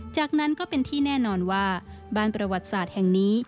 จากนั้นก็เป็นที่แน่นอนว่าบ้านประวัติศาสตร์แห่งนี้